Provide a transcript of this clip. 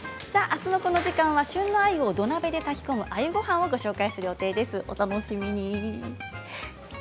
あすのこの時間は旬のアユを土鍋で炊き込むアユごはんをご紹介する予定です。